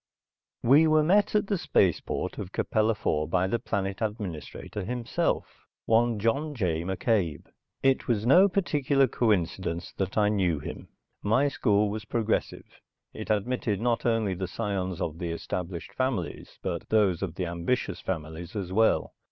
We were met at the space port of Capella IV by the planet administrator, himself, one John J. McCabe. It was no particular coincidence that I knew him. My school was progressive. It admitted not only the scions of the established families but those of the ambitious families as well.